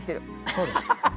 そうです。